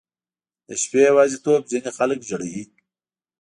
• د شپې یواځیتوب ځینې خلک ژړوي.